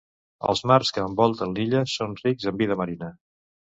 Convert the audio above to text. Els mars que envolten l'illa són rics en vida marina.